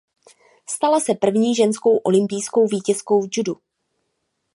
Stala se první ženskou olympijskou vítězkou v judu.